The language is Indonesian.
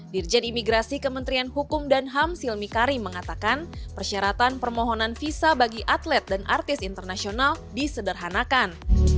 dirjen imigrasi kementerian hukum dan ham silmi karim mengatakan persyaratan permohonan visa bagi atlet dan artis internasional disederhanakan